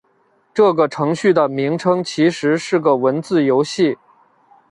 这个程序的名称其实是个文字游戏。